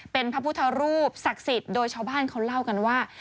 เป็นพระพุทธรูปศักดิ์สิทธิ์โดยชาวบ้านเขาเล่ากันว่า